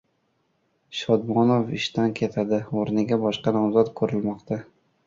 Shodmonov ishdan ketadi. O‘rniga boshqa nomzod ko‘rilmoqda